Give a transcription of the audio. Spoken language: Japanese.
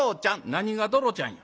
「何が『どろちゃん』や。